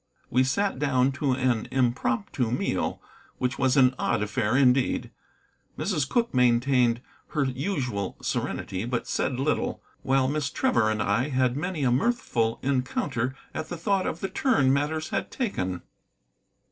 We sat down to an impromptu meal, which was an odd affair indeed. Mrs. Cooke maintained her usual serenity, but said little, while Miss Trevor and I had many a mirthful encounter at the thought of the turn matters had taken.